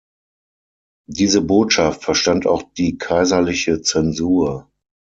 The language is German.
Diese Botschaft verstand auch die kaiserliche Zensur.